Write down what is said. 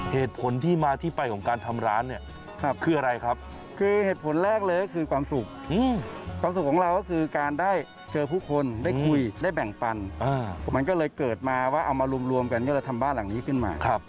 เหตุผลที่มาที่ไปของการทำร้านเนี่ยคืออะไรครับคือเหตุผลแรกเลยก็คือความสุขความสุขของเราก็คือการได้เจอผู้คนได้คุยได้แบ่งปันมันก็เลยเกิดมาว่าเอามารวมกันก็เลยทำบ้านหลังนี้ขึ้นมา